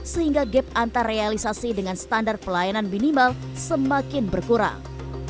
sehingga gap antarrealisasi dengan standar pelayanan minimal semakin berkurang